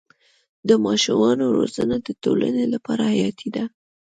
د ماشومانو روزنه د ټولنې لپاره حیاتي ده.